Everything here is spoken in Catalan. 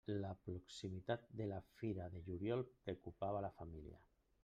La proximitat de la Fira de Juliol preocupava la família.